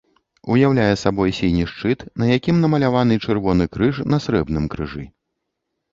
Уяўляе сабой сіні шчыт, на якім намаляваны чырвоны крыж на срэбным крыжы.